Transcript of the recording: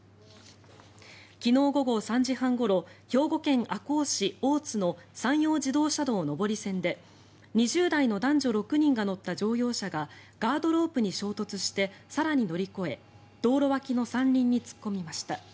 昨日午後３時半ごろ兵庫県赤穂市大津の山陽自動車道上り線で２０代の男女６人が乗った乗用車がガードロープに衝突して更に乗り越え道路脇の山林に突っ込みました。